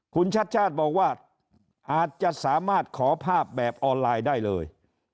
คุณชัดชาติบอกว่าอาจจะสามารถขอภาพแบบออนไลน์ได้เลย